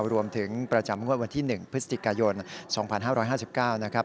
รวมถึงประจำฮวะวันที่หนึ่งพฤศจิกายนสองพันห้าร้อยห้าสิบเก้านะครับ